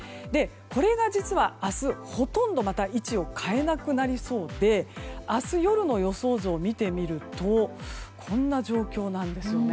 これが実は、明日ほとんど位置を変えなくなりそうで明日夜の予想図を見てみるとこんな状況なんですね。